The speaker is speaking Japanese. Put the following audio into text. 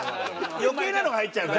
余計なのが入っちゃうから。